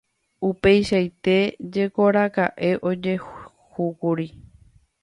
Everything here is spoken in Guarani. Upeichaite jekoraka'e ojehúkuri.